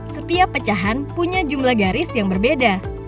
setiap pecahan punya jumlah garis yang berbeda